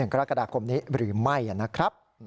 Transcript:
กรกฎาคมนี้หรือไม่นะครับ